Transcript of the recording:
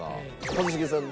一茂さん